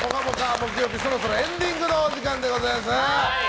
木曜日そろそろエンディングのお時間でございますね。